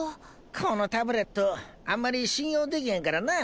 このタブレットあんまり信用できへんからなあ。